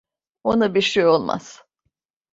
Ona bir şey olmaz.